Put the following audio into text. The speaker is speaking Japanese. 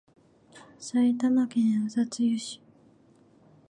埼玉県朝霞市